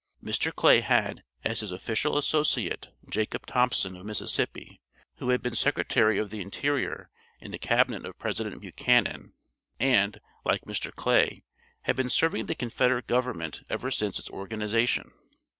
Mr. Clay had as his official associate Jacob Thompson, of Mississippi, who had been Secretary of the Interior in the Cabinet of President Buchanan, and, like Mr. Clay, had been serving the Confederate Government ever since its organization.